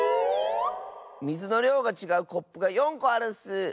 みずのりょうがちがうコップが４こあるッス。